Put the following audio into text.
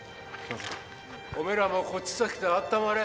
お前らもこっちさ来てあったまれ。